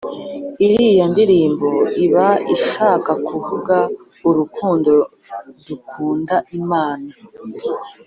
Iriya ndirimbo Iba ishaka kuvuga urukundo dukunda Imana